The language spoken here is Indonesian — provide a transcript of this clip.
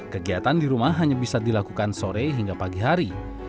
kegiatan di rumah hanya bisa dilakukan sore hingga pagi hari